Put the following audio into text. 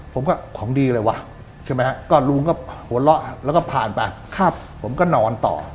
ผมก็ของดีอะไรวะใช่ไหมฮะก็ลุงก็หัวเราะแล้วก็ผ่านไปผมก็นอนต่อ